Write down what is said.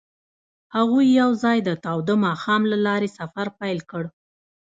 هغوی یوځای د تاوده ماښام له لارې سفر پیل کړ.